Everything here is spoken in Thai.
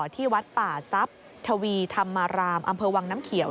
ที่วัดป่าทรัพย์ทวีธรรมารามอำเภอวังน้ำเขียว